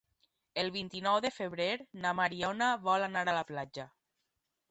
El vint-i-nou de febrer na Mariona vol anar a la platja.